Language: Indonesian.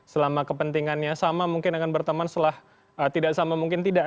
selama kepentingannya sama mungkin akan berteman setelah tidak sama mungkin tidak